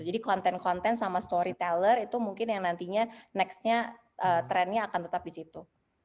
jadi content content sama story teller itu mungkin yang nantinya next nya trennya akan tetap di situ